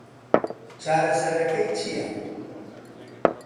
چارەسەرەکەی چییە؟